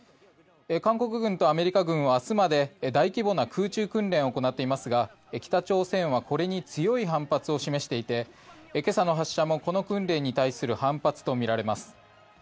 韓国軍とアメリカ軍は明日まで大規模な空中訓練を行っていますが北朝鮮はこれに強い反発を示していて今朝の発射もこの訓練に対する反発とみられます。